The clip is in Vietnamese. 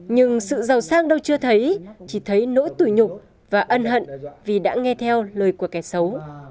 nhưng sự giàu sang đâu chưa thấy chỉ thấy nỗi tủi nhục và ân hận vì đã nghe theo lời của kẻ xấu